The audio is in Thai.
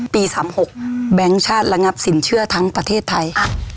๓๖แบงค์ชาติระงับสินเชื่อทั้งประเทศไทย